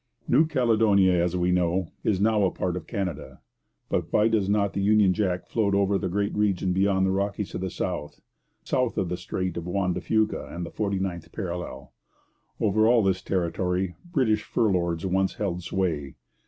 New Caledonia, as we know, is now a part of Canada; but why does not the Union Jack float over the great region beyond the Rockies to the south south of the Strait of Juan de Fuca and the 49th parallel? Over all this territory British fur lords once held sway.